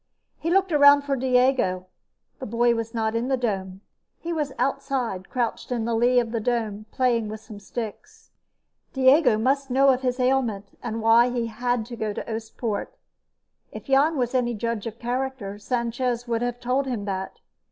He looked around for Diego. The boy was not in the dome. He was outside, crouched in the lee of the dome, playing with some sticks. Diego must know of his ailment, and why he had to go to Oostpoort. If Jan was any judge of character, Sanchez would have told him that.